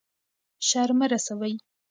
شر مه رسوئ.